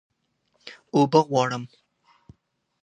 اوبه غواړم